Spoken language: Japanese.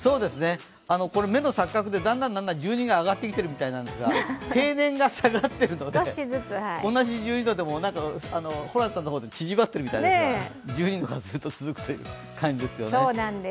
目の錯覚でだんだん１２が上がってきてるみたいですが平年が下がっているので、同じ１２度でも、ホランさんの方で縮まっているようですが、１２度がずっと続くという感じですよね。